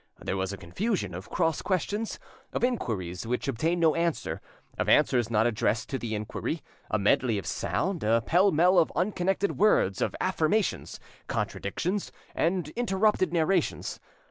There was a confusion of cross questions, of inquiries which obtained no answer, of answers not addressed to the inquiry, a medley of sound, a pell mell of unconnected words, of affirmations, contradictions, and interrupted narrations.